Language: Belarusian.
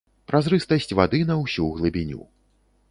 Празрыстасць вады на ўсю глыбіню.